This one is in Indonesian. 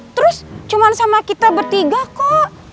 terus cuma sama kita bertiga kok